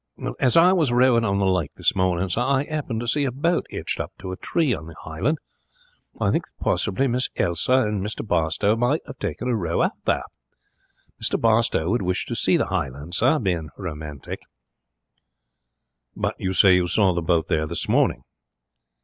'As I was rowing on the lake this morning, sir, I 'appened to see a boat 'itched up to a tree on the hisland. I think that possibly Miss Elsa and Mr Barstowe might 'ave taken a row out there. Mr Barstowe would wish to see the hisland, sir, bein' romantic.' 'But you say you saw the boat there this morning?'